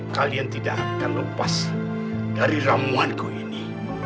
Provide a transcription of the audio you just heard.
kalian tidak akan lepas dari ramuanku ini